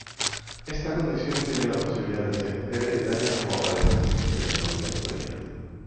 Esta condición tiene la posibilidad de ser hereditaria o aparecer sin historia familiar previa.